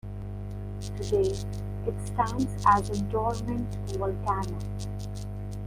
Today, it stands as an dormant volcano.